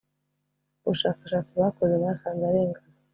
Mubushakashatsi bakoze basanze arengana